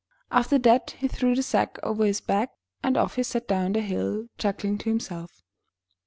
After that he threw the sack over his back, and off he 216 IN THE NURSERY set down the hill, chuckling to himself.